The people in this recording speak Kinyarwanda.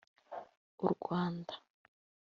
u Rwanda